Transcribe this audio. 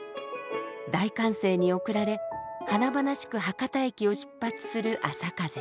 大歓声に送られ華々しく博多駅を出発するあさかぜ。